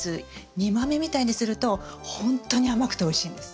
煮豆みたいにするとほんとに甘くておいしいんです。